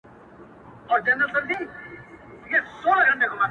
ستا سترگي فلسفې د سقراط راته وايي~